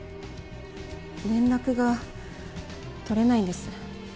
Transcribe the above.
連絡が取れないんです。